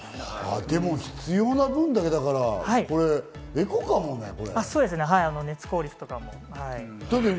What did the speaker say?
でも必要な分だけ、エコかもね。